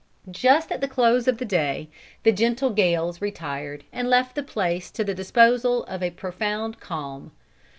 Just at the close of the day the gentle gales retired and left the place to the disposal of a profound calm.